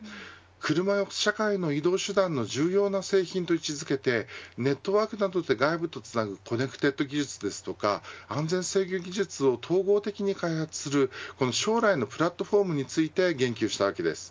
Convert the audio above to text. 車を社会の移動手段の重要な製品と位置付けてネットワークなどで外部とつなぐコネクテッド技術ですとか安全制御技術を統合的に開発する将来のプラットフォームについて言及したわけです。